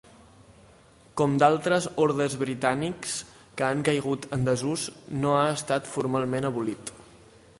Com d'altres ordes britànics que han caigut en desús, no ha estat formalment abolit.